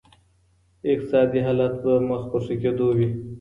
اقتصادي حالت به مخ په ښه کېدو وي.